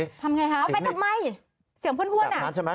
เอาไปทำไมเสียงห้วนอ่ะ